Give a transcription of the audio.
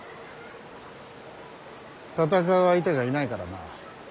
戦う相手がいないからな。